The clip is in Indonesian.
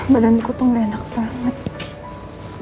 badan ku tuh gak enak banget